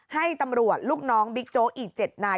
ให้ตำรวจลูกน้องบิ๊กโจ๊กอีก๗นาย